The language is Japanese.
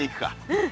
うん！